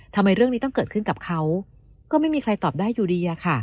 ทำไมเรื่องนี้ต้องเกิดขึ้นกับเขาก็ไม่มีใครตอบได้อยู่ดีอะค่ะ